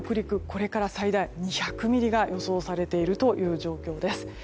これから最大２００ミリが予想されているという状況です。